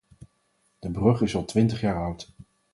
De brug is al twintig jaar oud.